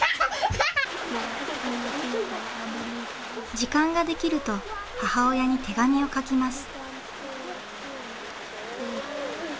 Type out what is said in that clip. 時間ができると母親に手紙を書きます。